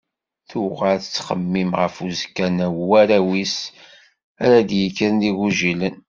Tuɣal tettxemmim ɣef uzekka n warraw-is ara d-yekkren d igujilen.